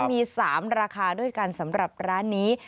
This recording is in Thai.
มี๓ราคาด้วยกันสำหรับร้านนี้